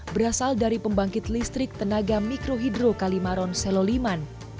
berasal dari pembangkit listrik tenaga mikrohidro kalimaron seloliman